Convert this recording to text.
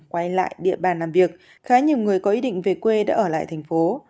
quay lại địa bàn làm việc khá nhiều người có ý định về quê đã ở lại thành phố